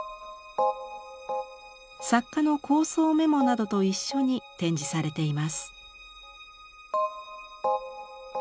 作家の構想メモなどと一緒に展示されています。